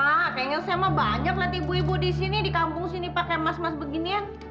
kayaknya saya mah banyak lah tiba tiba di sini di kampung sini pakai emas emas beginian